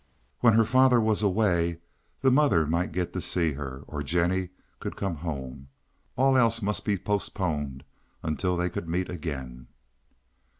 When her father was away the mother might get to see her, or Jennie could come home. All else must be postponed until they could meet again.